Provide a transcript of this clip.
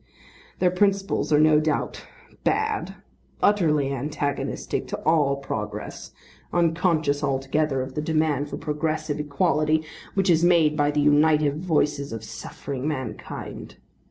Their principles are no doubt bad, utterly antagonistic to all progress, unconscious altogether of the demand for progressive equality which is made by the united voices of suffering mankind.